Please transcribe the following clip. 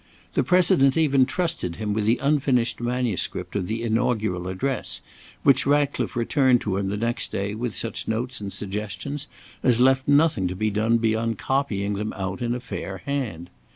The President even trusted him with the unfinished manuscript of the Inaugural Address, which Ratcliffe returned to him the next day with such notes and suggestions as left nothing to be done beyond copying them out in a fair hand.